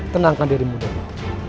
tenangkan dirimu denok